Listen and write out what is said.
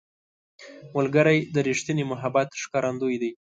ملګری د ریښتیني محبت ښکارندوی دی